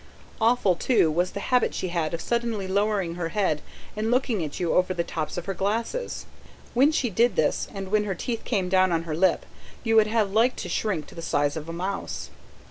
Awful, too, was the habit she had of suddenly lowering her head and looking at you over the tops of her glasses: when she did this, and when her teeth came down on her lip, you would have liked to shrink to the size of a mouse.